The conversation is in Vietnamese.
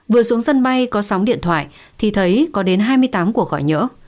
vừa xuống sân bay có sóng điện thoại thì thấy có đến hai mươi tám cuộc gọi nhỡ